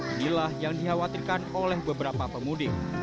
inilah yang dikhawatirkan oleh beberapa pemudik